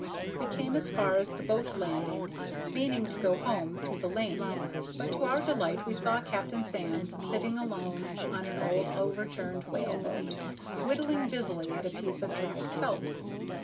We came as far as the boat landing, meaning to go home through the lane, but to our delight we saw Captain Sands sitting alone on an old overturned whaleboat, whittling busily at a piece of dried kelp.